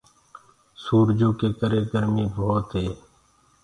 سورجو ڪي ڪري گآرمي ڀوت هي۔